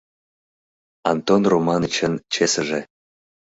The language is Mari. Антон Романычын чесыже.